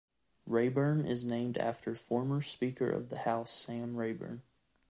Rayburn is named after former Speaker of the House Sam Rayburn.